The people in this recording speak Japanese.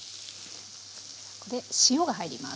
ここで塩が入ります。